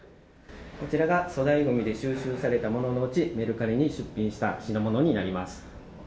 こちらが粗大ごみで収集されたもののうち、メルカリに出品した品物になります。